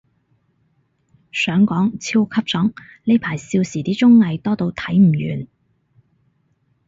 想講，超級爽，呢排少時啲綜藝，多到睇唔完